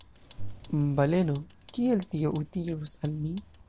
Baleno: "Kiel tio utilus al mi?"